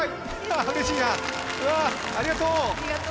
ありがとう！